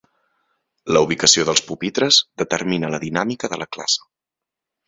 La ubicació dels pupitres determina la dinàmica de la classe.